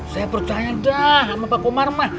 saya percaya dah sama pak komar mah